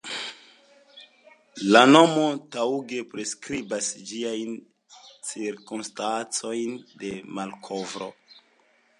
La nomo taŭge priskribas ĝiajn cirkonstancojn de malkovro.